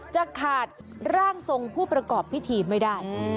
จะขาดร่างทรงผู้ประกอบพิธีไม่ได้